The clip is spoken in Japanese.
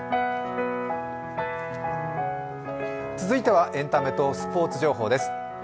続いてはエンタメとスポーツ情報です。